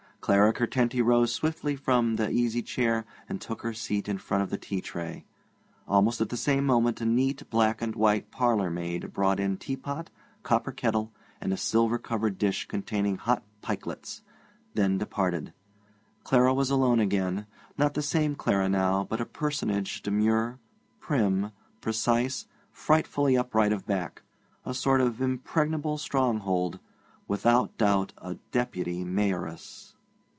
Clara Curtenty rose swiftly from the easy chair, and took her seat in front of the tea tray. Almost at the same moment a neat black and white parlourmaid brought in teapot, copper kettle, and a silver covered dish containing hot pikelets; then departed. Clara was alone again; not the same Clara now, but a personage demure, prim, precise, frightfully upright of back a sort of impregnable stronghold without doubt a Deputy Mayoress.